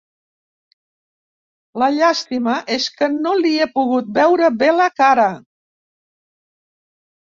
La llàstima és que no li he pogut veure bé la cara.